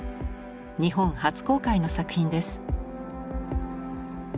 日本初公開の作品です。